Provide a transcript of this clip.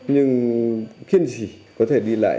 nhưng kiên trì có thể đi lại